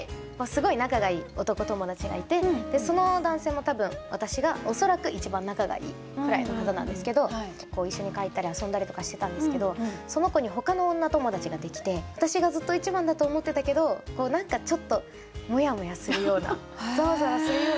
すごい仲が良い男友達がいてその男性も多分私が恐らく一番仲が良いくらいの方なんですけど一緒に帰ったり遊んだりとかしてたんですけどその子に他の女友達ができて私がずっと一番だと思ってたけどこう何かちょっとモヤモヤするようなザワザワするような。